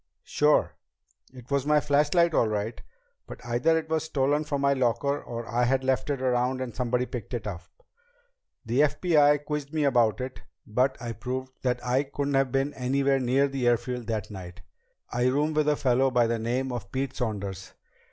"Sure. It was my flashlight all right. But either it was stolen from my locker, or I had left it around and somebody picked it up. The FBI men quizzed me about it, but I proved that I couldn't have been anywhere near the airfield that night. I room with a fellow by the name of Pete Saunders.